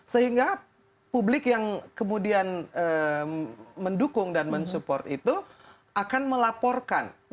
sehingga publik yang kemudian mendukung dan mensupport itu akan melaporkan